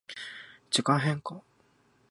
時間変化